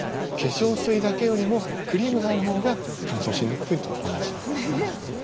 化粧水だけよりもクリームがあるほうが乾燥しにくいのと同じですね。